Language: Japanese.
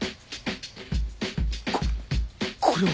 ここれは！